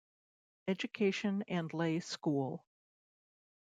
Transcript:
Education and lay school.